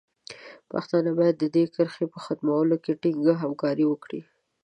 پښتانه باید د دې کرښې په ختمولو کې ټینګه همکاري وکړي.